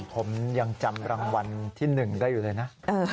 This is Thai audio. ผมยังจำรางวัลที่๑ได้อยู่เลยนะ